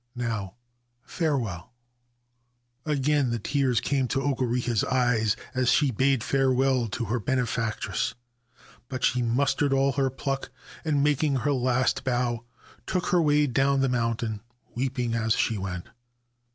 Now, farewell !' Again the tears came to Okureha's eyes as she bade farewell to her benefactress ; but she mustered all her pluck, and, making her last bow, took her way down the mountain, weeping as she went.